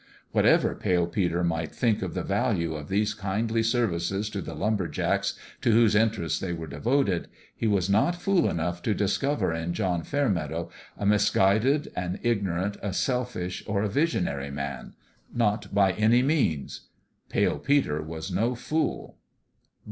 Whatever Pale Peter might think of the value of these kindly services to the lumber jacks to whose interests they were devoted, he was not fool enough to discover in John Fair meadow a misguided, an ignorant, a selfish or a visionary man. Not by any means ! Pale Peter was no fool.